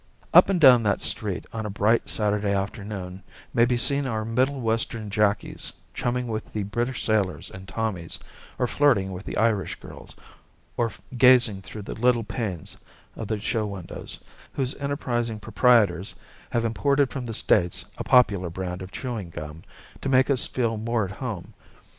Up and down that street on a bright Saturday afternoon may be seen our Middle Western jackies chumming with the British sailors and Tommies, or flirting with the Irish girls, or gazing through the little panes of the show windows, whose enterprising proprietors have imported from the States a popular brand of chewing gum to make us feel more at home.